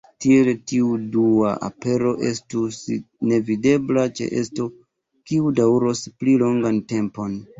Tiel tiu Dua Apero estus nevidebla ĉeesto, kiu daŭros pli longan tempon.